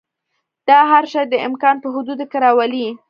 دا هر شی د امکان په حدودو کې راولي.